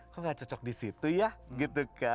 kok gak cocok disitu ya